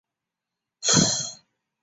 金塔火焰花是爵床科火焰花属的植物。